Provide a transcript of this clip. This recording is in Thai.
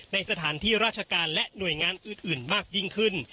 ในสถานที่ราชการและหน่วยงานอื่นมากยิ่งขึ้น